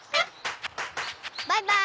バイバーイ！